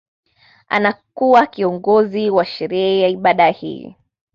Anakuwa kiongozi wa sherehe ya ibada hii